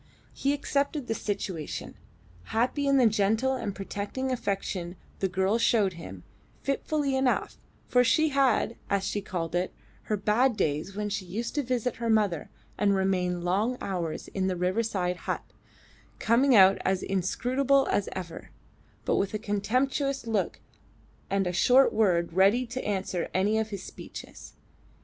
He accepted the situation, happy in the gentle and protecting affection the girl showed him, fitfully enough, for she had, as she called it, her bad days when she used to visit her mother and remain long hours in the riverside hut, coming out as inscrutable as ever, but with a contemptuous look and a short word ready to answer any of his speeches.